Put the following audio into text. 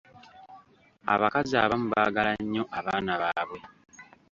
Abakazi abamu baagala nnyo abaana baabwe.